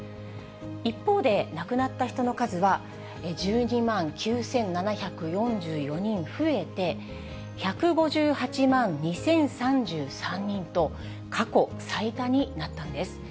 一方で、亡くなった人の数は、１２万９７４４人増えて、１５８万２０３３人と、過去最多になったんです。